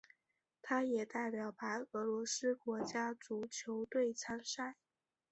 他也代表白俄罗斯国家足球队参赛。